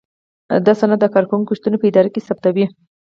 دا سند د کارکوونکي شتون په اداره کې تثبیتوي.